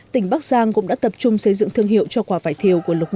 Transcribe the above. tỉnh bắc giang cũng đã tập trung xây dựng thương hiệu cho quả vải thiều của lục